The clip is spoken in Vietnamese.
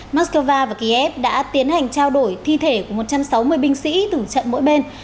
moscow và kiev đã tiến hành trao đổi thi thể của một trăm sáu mươi binh sĩ từ trận mỗi bên